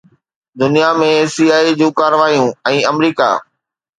دنيا ۾ C I A جون ڪارروايون ۽ آمريڪا